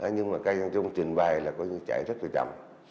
nhưng mà cài văn trung trình bày là chạy rất là chậm